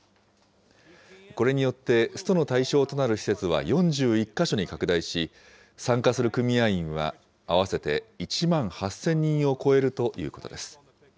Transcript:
これによって、ストの対象となる施設は４１か所に拡大し、参加する組合員は合わせて１万８０００人を超えるということです。